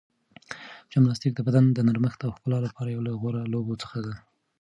جمناستیک د بدن د نرمښت او ښکلا لپاره یو له غوره لوبو څخه ده.